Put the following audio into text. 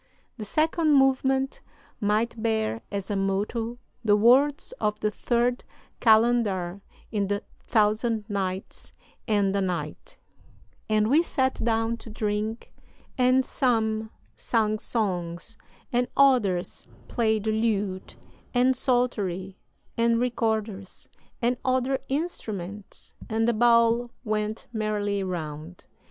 "The second movement might bear as a motto the words of the Third Kalandar in the Thousand Nights and a Night: 'And we sat down to drink, and some sang songs and others played the lute and psaltery and recorders and other instruments, and the bowl went merrily round.